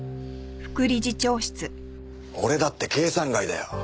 俺だって計算外だよ。